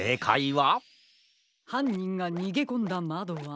はんにんがにげこんだまどは。